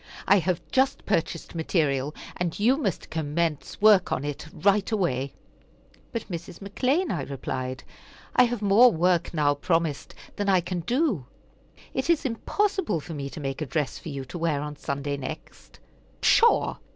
I have just purchased material, and you must commence work on it right away." "But Mrs. McClean," I replied, "I have more work now promised than I can do. It is impossible for me to make a dress for you to wear on Sunday next." "Pshaw!